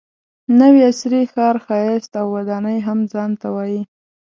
نوي عصري ښار ښایست او ودانۍ هم ځان ته وایي.